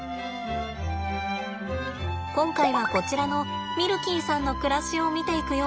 今回はこちらのミルキーさんの暮らしを見ていくよ。